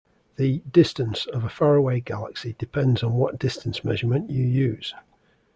The "distance" of a far away galaxy depends on what distance measurement you use.